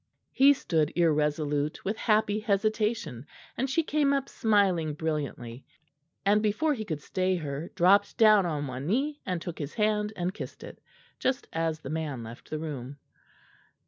He stood irresolute with happy hesitation; and she came up smiling brilliantly; and before he could stay her dropped down on one knee and took his hand and kissed it; just as the man left the room.